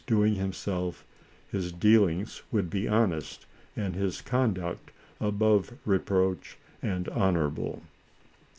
m doing himself, his dealings would be honest, and his conduct above reproach and honorable.